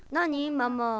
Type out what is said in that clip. ママ。